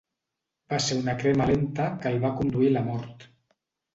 Va ser una crema lenta que el va conduir a la mort.